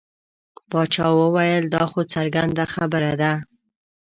باچا وویل دا خو څرګنده خبره ده.